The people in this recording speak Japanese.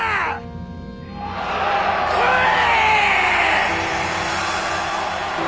来い！